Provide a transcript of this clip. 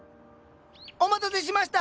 お待たせしました！